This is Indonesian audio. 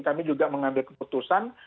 kami juga mengambil keputusan